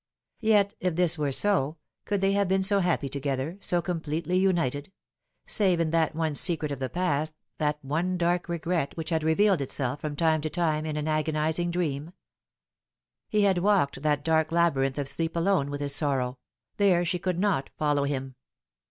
Yet if this were so, could they have been so happy together, so completely united save in that one secret of the past, that one dark regret which had revealed itself from time to time in an agonising dream ? He had walked that dark labyrinth of sleep alone with bis sorrow : there she could not follow him.